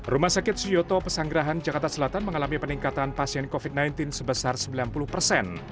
rumah sakit suyoto pesanggerahan jakarta selatan mengalami peningkatan pasien covid sembilan belas sebesar sembilan puluh persen